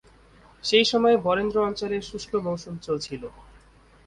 সেই সময়ে বরেন্দ্র অঞ্চলে শুষ্ক মৌসুম চলছিল।